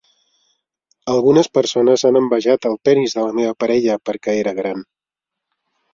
Algunes persones han envejat el penis de la meva parella perquè era gran.